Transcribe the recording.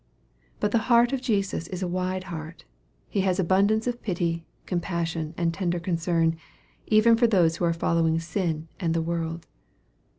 But the heart of Jesus is a wide heart. He has abundance of pity, compassion, and tender concern even for those who are following sin and the world.